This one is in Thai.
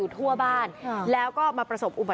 สวัสดีครับ